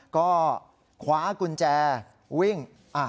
ก็คว้ากุญแจวิ่ง